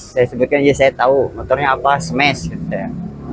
saya sebutkan aja saya tahu motornya apa smash gitu ya